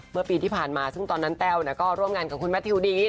เมื่อปีที่ผ่านมาซึ่งตอนนั้นแต้วก็ร่วมงานกับคุณแมททิวดี